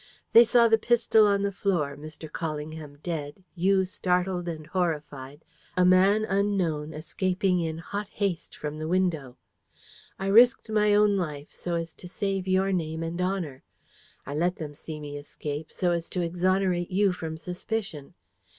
They saw the pistol on the floor, Mr. Callingham dead you, startled and horrified a man unknown, escaping in hot haste from the window. I risked my own life, so as to save your name and honour. I let them see me escape, so as to exonerate you from suspicion.